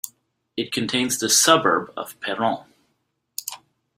It contains the suburb of Peron.